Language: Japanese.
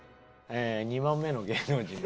２問目の芸能人は。